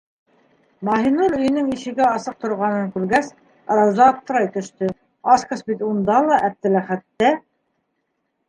Маһинур өйөнөң ишеге асыҡ торғанын күргәс, Рауза аптырай төштө: асҡыс бит унда ла Әптеләхәттә.